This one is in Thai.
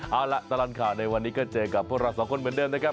เอาล่ะตลอดข่าวในวันนี้ก็เจอกับพวกเราสองคนเหมือนเดิมนะครับ